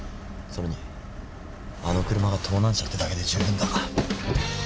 それにあの車が盗難車ってだけで十分だ。